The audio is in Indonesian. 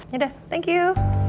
yaudah thank you